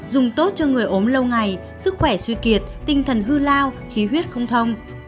dùng tốt cho người ốm lâu ngày sức khỏe suy kiệt tinh thần hư lao khí huyết không thông